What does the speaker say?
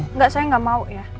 enggak saya nggak mau ya